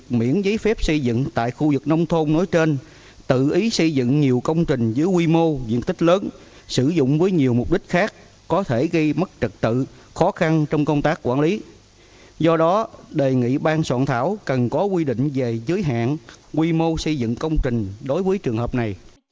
các đại biểu cho rằng quy định không cần giấy phép khi xây dựng là chưa thực sự chật chẽ